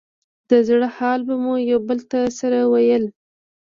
د زړه حال به مو يو بل ته سره ويل.